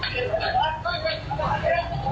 เฮ้ย